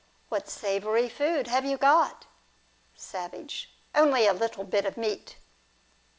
What savoury food have you got ? Savage. Only a little bit of meat.